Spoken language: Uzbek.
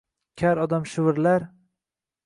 Kar odam shivirlar